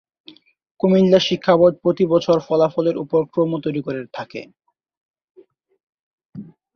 কুমিল্লা শিক্ষা বোর্ড প্রতি বছর ফলাফলের উপর ক্রম তৈরি করে থাকে।